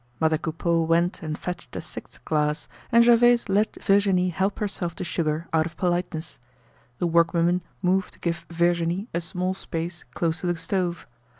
Mother Coupeau went and fetched a sixth glass, and Gervaise let Virginie help herself to sugar out of politeness. The workwomen moved to give Virginie a small space close to the stove.